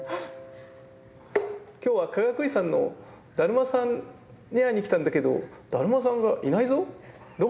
「今日はかがくいさんのだるまさんに会いに来たんだけどだるまさんがいないぞ。